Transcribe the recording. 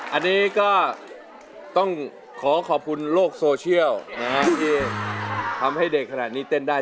อันนี้ก็ต้องขอขอบคุณโลกโซเชียลที่ทำให้เด็กขนาดนี้เต้นได้